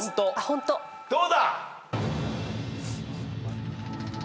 どうだ？